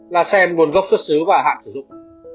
là sen nguồn gốc xuất xứ và hạn sử dụng